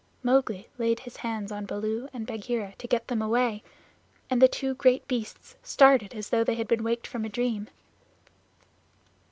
Mowgli laid his hands on Baloo and Bagheera to get them away, and the two great beasts started as though they had been waked from a dream.